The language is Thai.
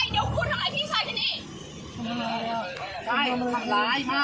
อยากน้ำใบเดี๋ยวคุณทำอะไรพี่ชายกี่นิด